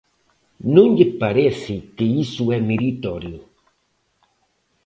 ¿Non lle parece que iso é meritorio?